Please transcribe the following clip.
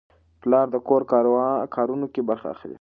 پلار د کور کارونو کې برخه اخلي.